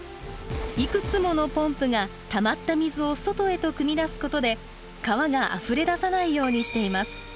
いくつものポンプがたまった水を外へとくみ出すことで川があふれ出さないようにしています。